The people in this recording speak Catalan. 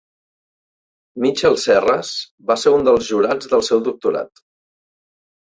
Michel Serres va ser un dels jurats del seu doctorat.